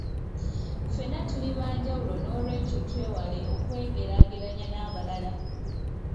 Ffenna tuli ba njawulo n'olw'ekyo twewale okwegeraageranya n'abalala.